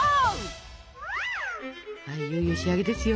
はいいよいよ仕上げですよ。